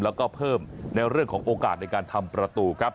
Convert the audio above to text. แล้วก็เพิ่มในเรื่องของโอกาสในการทำประตูครับ